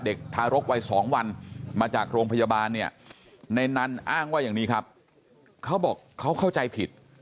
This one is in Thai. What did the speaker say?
ทารกวัย๒วันมาจากโรงพยาบาลเนี่ยในนั้นอ้างว่าอย่างนี้ครับเขาบอกเขาเข้าใจผิด